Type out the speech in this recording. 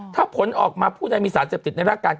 ถ้าผลออกมาผู้ใดมีสารเสพติดในร่างกาย